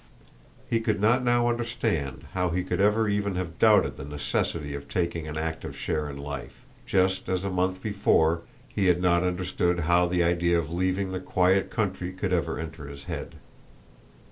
He could not now understand how he could ever even have doubted the necessity of taking an active share in life, just as a month before he had not understood how the idea of leaving the quiet country could ever enter his head.